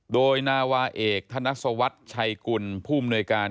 โดยนาวาเอกธนักศวรรษชัยกุลผู้อำนวยการ